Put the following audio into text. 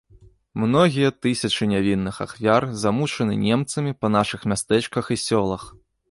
Многія тысячы нявінных ахвяр замучаны немцамі па нашых мястэчках і сёлах.